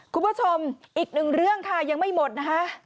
คุณผู้ชมอีกหนึ่งเรื่องค่ะยังไม่หมดนะคะ